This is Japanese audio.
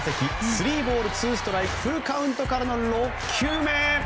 スリーボールツーストライクフルカウントからの６球目！